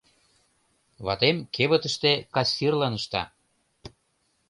— Ватем кевытыште кассирлан ышта.